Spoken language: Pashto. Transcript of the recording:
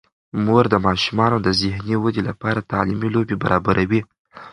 مور د ماشومانو د ذهني ودې لپاره تعلیمي لوبې برابروي.